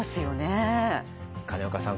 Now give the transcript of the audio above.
金岡さん